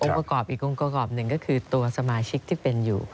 อุปกรณ์อีกอุปกรณ์หนึ่งก็คือตัวสมาชิกที่เป็นอยู่